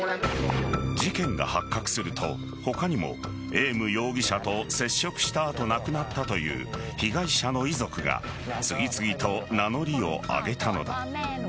事件が発覚すると、他にもエーム容疑者と接触した後亡くなったという被害者の遺族が次々と名乗りを上げたのだ。